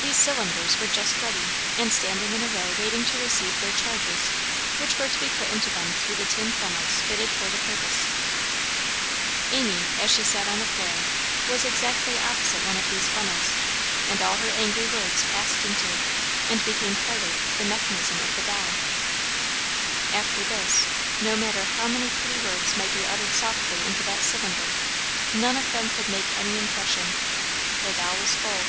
These cylinders were just ready, and standing in a row waiting to receive their "charges," which were to be put into them through the tin funnels fitted for the purpose. Amy, as she sat on the floor, was exactly opposite one of these funnels, and all her angry words passed into, and became a part of, the mechanism of the doll. After this, no matter how many pretty words might be uttered softly into that cylinder, none of them could make any impression; the doll was full.